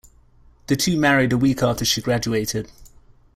The two married a week after she graduated.